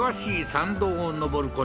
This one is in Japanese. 山道を上ること